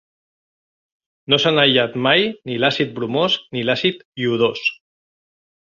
No s'han aïllat mai ni l'àcid bromós ni l'àcid iodós.